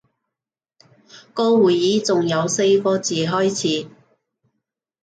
個會議仲有四個字開始